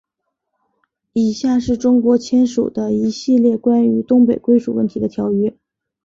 以下是中国签署的一系列关于东北归属问题的条约。